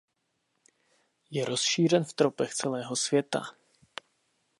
Je rozšířen v tropech celého světa.